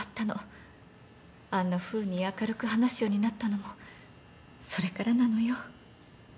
あんなふうに明るく話すようになったのもそれからなのよ。